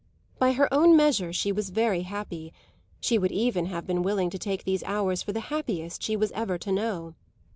By her own measure she was very happy; she would even have been willing to take these hours for the happiest she was ever to know.